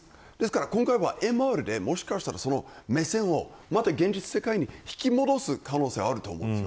ＭＲでもしかしたら目線を現実世界に引き戻す可能性はあると思うんです。